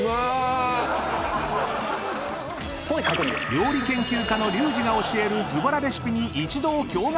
［料理研究家のリュウジが教えるズボラレシピに一同驚愕］